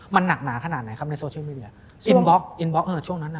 มันหนักหนาขนาดไหนครับในโซเชียลมีเดียอินบล็อกเถอะช่วงนั้นนะ